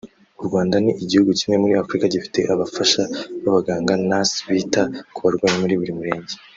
u Rwanda ni igihugu kimwe muri Afurika gifite abafasha b’abaganga (nurses) bita ku barwayi muri buri murenge